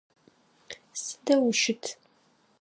Сыдэу ущыт?